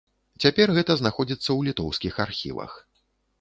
Цяпер гэта знаходзіцца ў літоўскіх архівах.